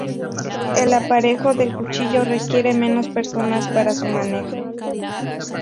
El aparejo de cuchillo requiere menos personal para su manejo.